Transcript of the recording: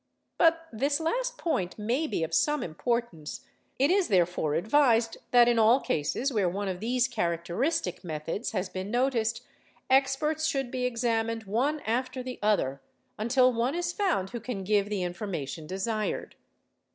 But this last point may be of some importance, it is therefore advised i that, in all cases where one of these characteristic methods has been noticed, experts should be examined one after the other until one is found who can give the information desired.